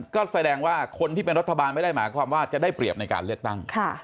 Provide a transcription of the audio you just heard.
ก็แสดงว่าคนที่เป็นรัฐบาลไม่ได้หมายความว่าจะได้เปรียบในการเลือกตั้ง